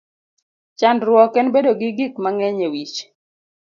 Chandruok en bedo gi gik mang'eny e wich.